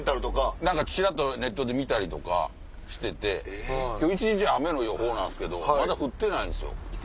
ちらっとネットで見たりとかしてて今日一日雨の予報なんすけどまだ降ってないんすよ。